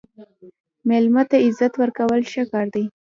مېلمه ته عزت ورکول ښه کار دی.